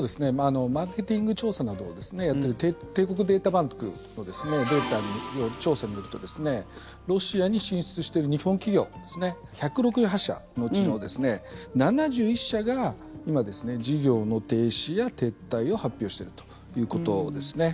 マーケティング調査などをやっている帝国データバンクの調査によるとロシアに進出している日本企業１６８社のうちの７１社が今、事業の停止や撤退を発表しているということですね。